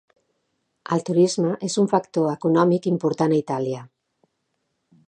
El turisme és un factor econòmic important a Itàlia.